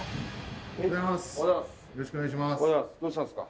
おはようございます。